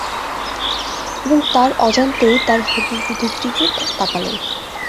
এবং তার অজান্তেই তার হবু বধূর দিকে তাকালেন।